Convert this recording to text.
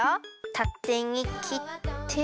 たてにきって。